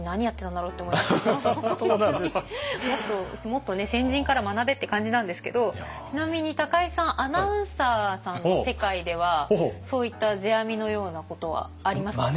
もっと先人から学べって感じなんですけどちなみに高井さんアナウンサーさんの世界ではそういった世阿弥のようなことはありますか？